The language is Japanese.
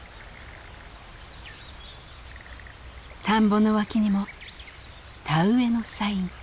田んぼの脇にも田植えのサイン。